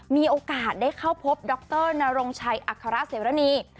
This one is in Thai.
มีโอกาสได้เข้าพบดรนรงชัยอัครเสรณี